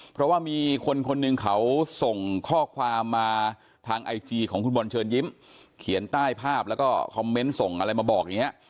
เพราะว่ามีคนคนหนึ่งเขาส่งข้อความมาทางไอจีของคุณบอลเชิญยิ้มเขียนใต้ภาพแล้วก็คอมเมนต์ส่งอะไรมาบอกอย่างนี้